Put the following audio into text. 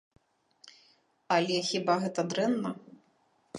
Але хіба гэта дрэнна?